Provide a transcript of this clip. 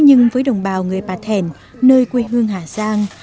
thế nhưng với đồng bào người bà thẻn nơi quê hương hà giang